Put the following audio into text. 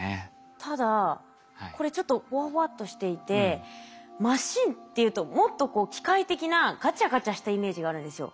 ただこれちょっとほわほわっとしていてマシンっていうともっと機械的なガチャガチャしたイメージがあるんですよ。